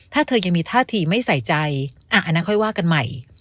ถ้าเธอยังมีท่าทีไม่ใส่ใจอันนั้นค่อยว่ากันใหม่